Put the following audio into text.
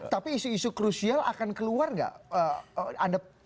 tapi isu isu krusial akan keluar nggak